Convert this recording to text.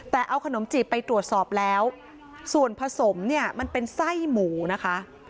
แต่เอาขนมจีบไปตรวจสอบแล้วส่วนผสมเนี่ยมันเป็นไส้หมูนะคะ